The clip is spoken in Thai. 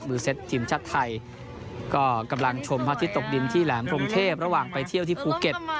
เซ็ตทีมชาติไทยก็กำลังชมพระอาทิตย์ตกดินที่แหลมกรุงเทพระหว่างไปเที่ยวที่ภูเก็ต